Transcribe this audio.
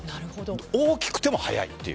大きくても速いという。